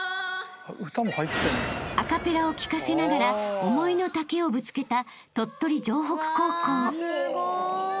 ［アカペラを聞かせながら思いの丈をぶつけた］